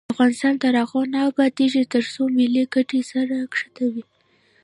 افغانستان تر هغو نه ابادیږي، ترڅو ملي ګټې سر کرښه وي.